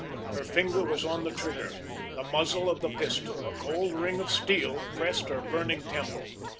Her finger was on the trigger the muzzle of the pistol, a cold ring of steel, pressed her burning temple!